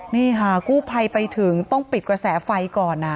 นี่ค่ะกู้ภัยไปถึงต้องปิดกระแสไฟก่อน